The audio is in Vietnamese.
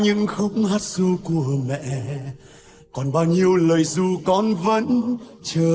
những biểu hiện lệch chuẩn trong quan niệm suy nghĩ của giới trẻ